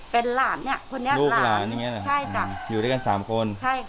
เป็นหลานเนี้ยลูกหลานใช่ค่ะอยู่ด้วยกันสามคนใช่ค่ะ